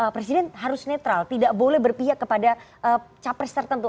presiden harus netral tidak boleh berpihak kepada capres tertentu